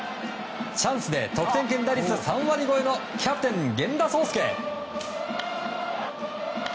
チャンスで得点圏打率３割超えのキャプテン、源田壮亮。